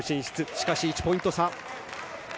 しかし、１ポイント差。